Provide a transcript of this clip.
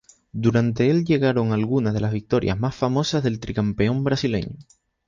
Durante el llegaron algunas de las victorias más famosas del tricampeón brasileño.